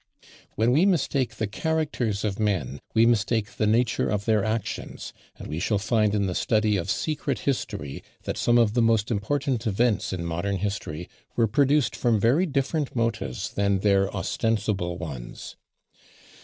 When we mistake the characters of men, we mistake the nature of their actions; and we shall find in the study of secret history, that some of the most important events in modern history were produced from very different motives than their ostensible ones.